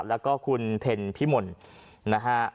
แล้วก็คุณเพ็ญพิมลนะฮะ